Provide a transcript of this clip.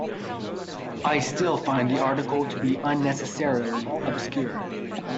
I still find the article to be unnecessarily obscure.